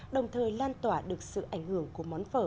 đồng thời lan tỏa được sự ảnh hưởng của món phở